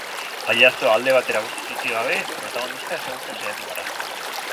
Pailazoa alde batera guztiz utzi gabe, protagonista ezagutzen saiatu gara.